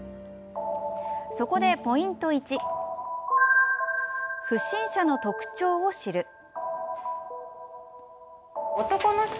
そこで、ポイント１不審者の特徴を知る。